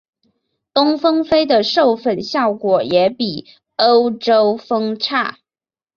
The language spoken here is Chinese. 东非蜂的授粉效果也比欧洲蜂差。